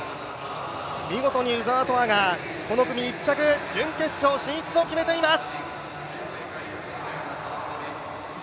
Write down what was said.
見事に鵜澤飛羽がこの組１着準決勝進出を決めています。